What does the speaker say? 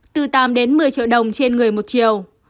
từ tám đến một mươi triệu đồng trên người một chiều